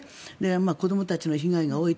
子どもたちの被害が多いと。